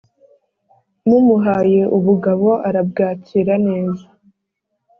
Mumuhaye ubugabo arabwakira neza